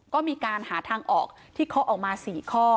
ก็มีการหาทางออกที่เคาะออกมา๔ข้อ